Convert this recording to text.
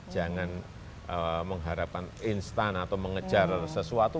jangan mengharapkan instan atau mengejar sesuatu